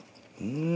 うん。